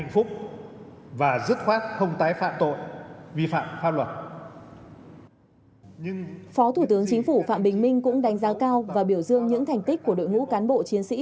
phó thủ tướng chính phủ phạm bình minh cũng đánh giá cao và biểu dương những thành tích của đội ngũ cán bộ chiến sĩ